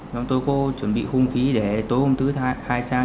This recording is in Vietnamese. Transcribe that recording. nhóm tôi có chuẩn bị hung khí để tối hôm thứ hai sang